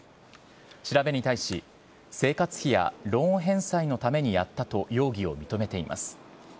調べに対し生活費やローン返済のためにやったと容疑を認めています。